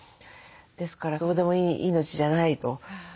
ですからどうでもいい命じゃないと。